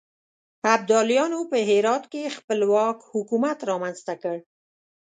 ابدالیانو په هرات کې خپلواک حکومت رامنځته کړ.